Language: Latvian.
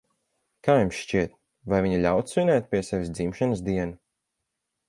Kā jums šķiet, vai viņa ļautu svinēt pie sevis dzimšanas dienu?